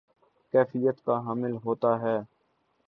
کیفیت کا حامل ہوتا ہے